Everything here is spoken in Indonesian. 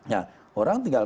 ya orang tinggal